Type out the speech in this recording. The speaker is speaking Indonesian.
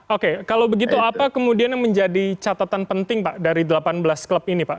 oke kalau begitu apa kemudian yang menjadi catatan penting pak dari delapan belas klub ini pak